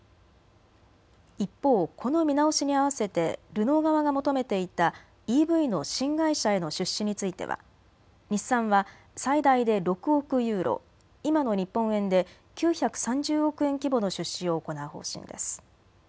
一方、この見直しに合わせてルノー側が求めていたＥＶの新会社への出資については日産は最大で６億ユーロ、今の日本円で９３０億円規模の出資を行う方針です。